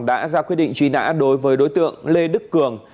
đã ra quyết định truy nã đối với đối tượng lê đức cường